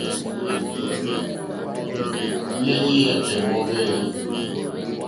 Nɛh Iyakɛ mɔhvɛ eeh?